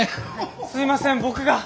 すいません僕が。